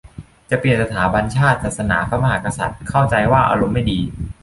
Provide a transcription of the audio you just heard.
จะเปลี่ยนสถาบันชาติ ศาสนา พระมหากษัตริย์ เข้าใจว่าอารมณ์ไม่ดี